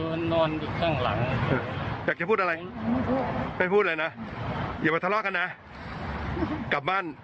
เอาไว้ถึงบ้านก่อน